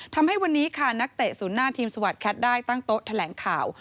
ทำให้วันนี้ค่ะนักเตะศูนย์หน้าทีมสวัสดิแคทได้ตั้งโต๊ะแถลงข่าว